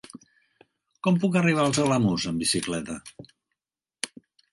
Com puc arribar als Alamús amb bicicleta?